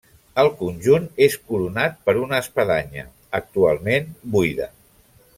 El conjunt és coronat per una espadanya, actualment buida.